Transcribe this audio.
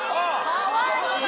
かわいい！